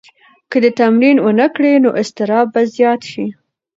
که ته تمرین ونه کړې نو اضطراب به زیات شي.